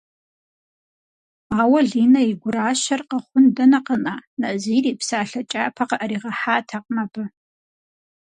Ауэ Линэ и гуращэр къэхъун дэнэ къэна, Назир и псалъэ кӏапэ къыӏэригъэхьатэкъым абы.